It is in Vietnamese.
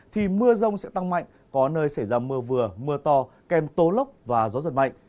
thì mưa rông sẽ tăng mạnh có nơi xảy ra mưa vừa mưa to kèm tố lốc và gió giật mạnh